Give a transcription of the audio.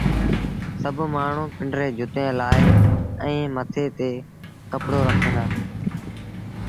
سڀ مآڻهوٚٚݩ پنڊريٚݩ جُتيٚن لآهي ائيٚݩ مٿي تي ڪپڙو رکين دآ